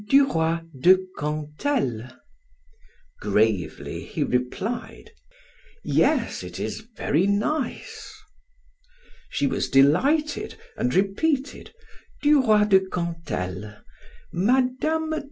Duroy de Cantel." Gravely he replied: "Yes, it is very nice." She was delighted, and repeated: "Duroy de Cantel. Mme.